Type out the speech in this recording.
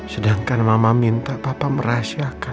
sedangkan mama minta papa merahasiakan